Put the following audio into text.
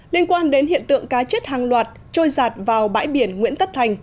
liên quan đến hiện tượng cá chết hàng loạt trôi giạt vào bãi biển nguyễn tất thành